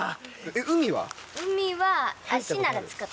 海は。